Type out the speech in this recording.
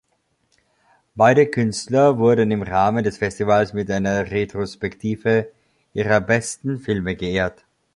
Beide Künstler wurden im Rahmen des Festivals mit einer Retrospektive ihrer besten Filme geehrt.